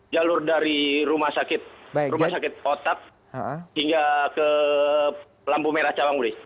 jalur dari rumah sakit rumah sakit otak hingga ke lampu merah cawang budi